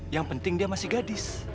yang penting dia masih gadis